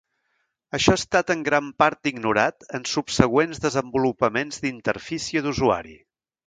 Això ha estat en gran part ignorat en subsegüents desenvolupaments d'interfície d'usuari.